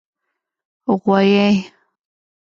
🐂 غوایی